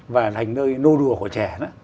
và thành nơi nô đùa của trẻ